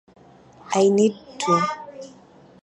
I need two.